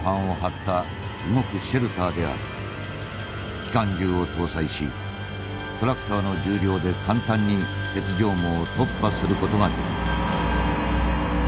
機関銃を搭載しトラクターの重量で簡単に鉄条網を突破する事ができる」。